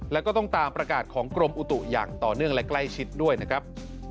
แล้วก็ต้องตามประกาศของกรมอุตุอย่างต่อเนื่องและใกล้ชิดด้วยนะครับ